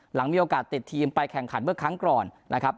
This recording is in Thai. หลังมีโอกาสติดทีมไปแข่งขันเมื่อครั้งก่อนนะครับ